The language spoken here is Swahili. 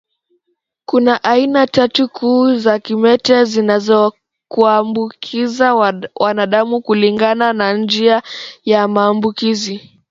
Kuna aina tatu kuu za kimeta zinazoambukiza wanadamu kulingana na njia ya maambukizi